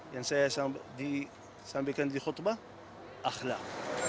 yang saya disampaikan di khutbah akhlak